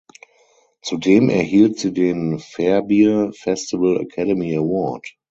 Zudem erhielt sie den Verbier Festival Academy Award.